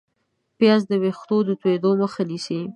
پیاز د ویښتو د تویېدو مخه نیسي